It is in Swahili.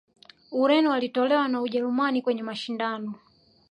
ureno walitolewa na ujerumani kwenye mashindano